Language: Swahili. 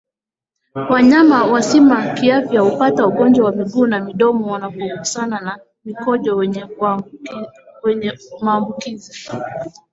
Wanyama wazima kiafya hupata ugonjwa wa miguu na midomo wanapogusana na mkojo wenye maambukizi